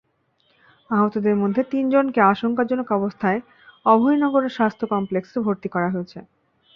আহতদের মধ্যে তিনজনকে আশঙ্কাজনক অবস্থায় অভয়নগর স্বাস্থ্য কমপ্লেক্সে ভর্তি করা হয়েছে।